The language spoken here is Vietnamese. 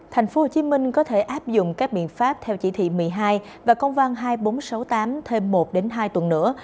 thành phố hồ chí minh có thể áp dụng các biện pháp theo chỉ thị một mươi hai và công văn hai nghìn bốn trăm sáu mươi tám thêm một đến hai tuần nữa